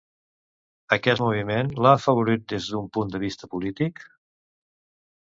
Aquest moviment l'ha afavorit des d'un punt de vista polític?